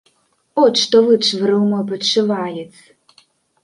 От што вычварыў мой падшывалец.